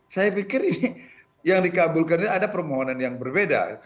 saya pikir ini yang dikabulkan ini ada permohonan yang berbeda